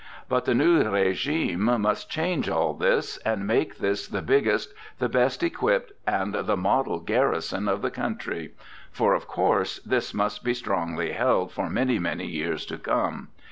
But the new régime must change all this, and make this the biggest, the best equipped, and the model garrison of the country. For, of course, this must be strongly held for many, many years to come.